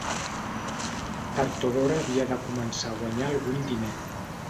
Tard o d'hora havia de començar a guanyar algun diner